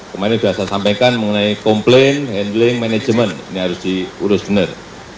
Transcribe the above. kemarin sudah saya sampaikan mengenai komplain handling manajemen ini harus diurus benar